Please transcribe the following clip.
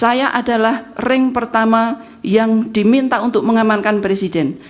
saya adalah ring pertama yang diminta untuk mengamankan presiden